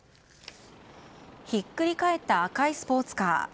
ひっくり返った赤いスポーツカー。